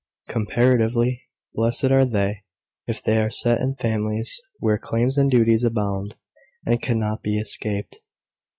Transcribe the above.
Comparatively blessed are they, if they are set in families, where claims and duties abound, and cannot be escaped.